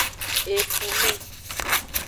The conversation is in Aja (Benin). Efume.